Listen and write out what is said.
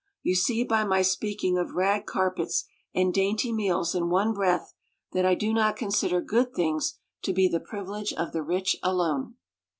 You see by my speaking of rag carpets and dainty meals in one breath, that I do not consider good things to be the privilege of the rich alone.